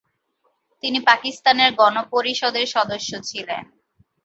তিনি পাকিস্তানের গণপরিষদের সদস্য ছিলেন।